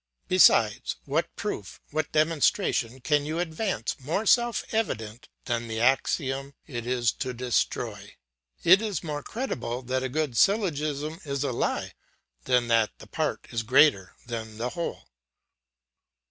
besides, what proof, what demonstration, can you advance, more self evident than the axiom it is to destroy? It is more credible that a good syllogism is a lie, than that the part is greater than the whole.